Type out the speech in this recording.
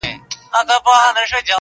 او د خپل زوی غوندي یې